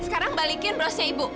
sekarang balikin rosnya ibu